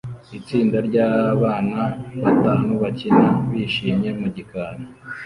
Itsinda ryabana batanu bakina bishimye mu gikari